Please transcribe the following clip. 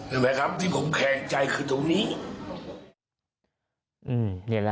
เห็นไหมครับที่ผมแคลงใจคือตรงนี้